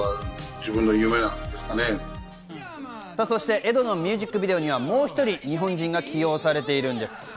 そしてエドのミュージックビデオにはもう１人、日本人が起用されているんです。